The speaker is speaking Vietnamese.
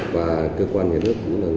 và cơ quan nhà nước